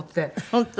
本当？